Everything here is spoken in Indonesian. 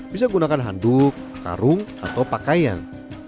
bisa gunakan handuk karung atau pakaian